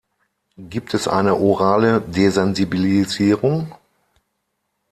Gibt es eine orale Desensibilisierung?